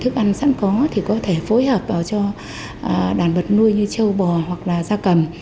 thức ăn sẵn có thì có thể phối hợp vào cho đàn vật nuôi như châu bò hoặc là gia cầm